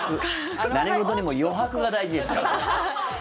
何事にも余白が大事ですから。